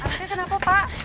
apa kenapa pak